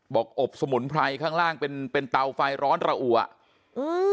บอกอบสมุนไพรข้างล่างเป็นเป็นเตาไฟร้อนระอัวอืม